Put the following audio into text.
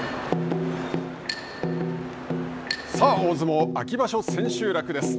さあ大相撲秋場所千秋楽です。